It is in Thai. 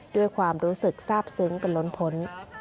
ด้วยความรู้สึกทราบซึ้งเป็นล้นพ้น